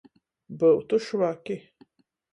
Byutu švaki.